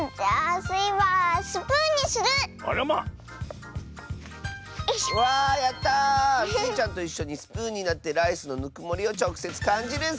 スイちゃんといっしょにスプーンになってライスのぬくもりをちょくせつかんじるッス！